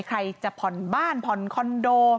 ใครจะผ่อนบ้านผ่อนคอนโด